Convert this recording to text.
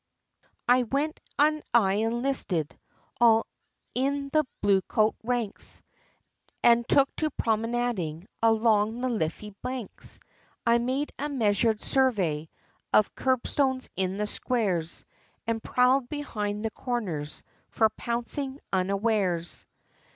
I went, and I enlisted all in the bluecoat ranks; And took to promenading along the Liffey banks. I made a measured survey of curbstones in the squares, And prowled behind the corners, for pouncing unawares.